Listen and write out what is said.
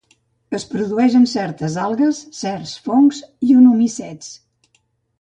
Es produeix en certes algues, certs fongs i en oomicets.